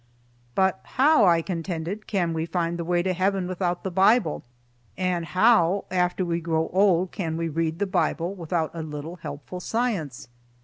"But how," I contended, "can we find the way to heaven without the Bible, and how after we grow old can we read the Bible without a little helpful science?